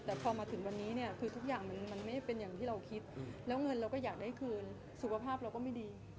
แต่พอมาถึงวันนี้เนี่ยคือทุกอย่างมันไม่ได้เป็นอย่างที่เราคิดแล้วเงินเราก็อยากได้คืนสุขภาพเราก็ไม่ดี